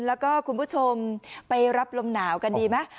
แล้วก็คุณผู้ชมไปรับลมหนาวกันดีไหม